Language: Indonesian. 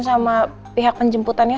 sama pihak penjemputannya